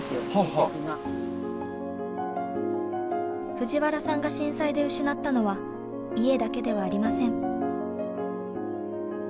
藤原さんが震災で失ったのは家だけではありません。